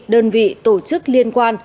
đơn vị tổ chức liên quan